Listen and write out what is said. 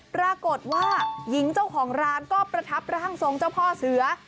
ปรากฏว่าหญิงเจ้าของร้านก็ประทับร่างทรงเจ้าพ่อเสือ